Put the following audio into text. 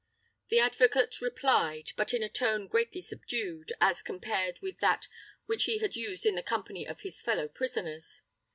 The advocate replied, but in a tone greatly subdued, as compared with that which he had used in the company of his fellow prisoners.